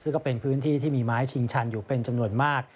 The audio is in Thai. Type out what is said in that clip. ซึ่งก็เป็นพื้นที่ที่มีไม้ชิงชันอยู่เป็นจำนวนมาก